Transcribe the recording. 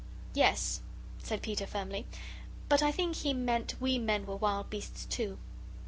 "Yes," said Peter, firmly, "but I think he meant we men were wild beasts, too."